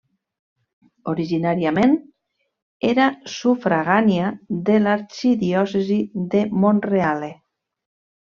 Originàriament era sufragània de l'arxidiòcesi de Monreale.